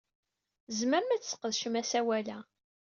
Tzemrem ad tesqedcem asawal-a.